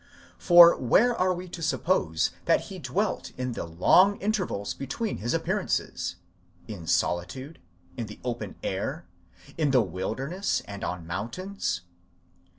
For where are we to suppose that he dwelt in the long in tervals between his appearances? in solitude? in the open air? in the wilderness and on mountains?